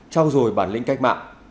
trao dồi bản lĩnh cách mạng